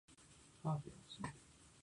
カーテンを閉める